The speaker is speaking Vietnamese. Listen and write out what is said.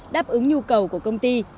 đáp ứng nhu cầu của công ty